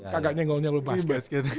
kagaknya ngeluh ngeluh basket